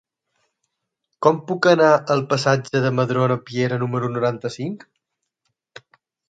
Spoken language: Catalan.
Com puc anar al passatge de Madrona Piera número noranta-cinc?